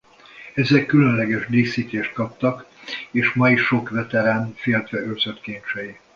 Ezek különleges díszítést kaptak és ma is sok veterán féltve őrzött kincsei.